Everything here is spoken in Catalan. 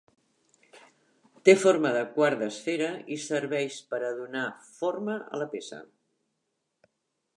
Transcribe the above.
Té forma de quart d'esfera i serveix per a donar forma a la peça.